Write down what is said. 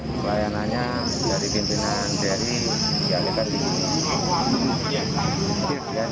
pelayanannya dari pimpinan bri dialihkan ke sini